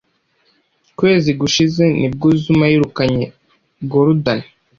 kwezi gushize nibwo Zuma yirukanye Gordhan